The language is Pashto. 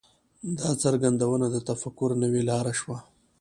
دا څرګندونه د تفکر نوې لاره شوه.